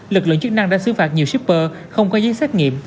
lực lượng chức năng đã xứ phạt nhiều shipper không có giấy xét nghiệm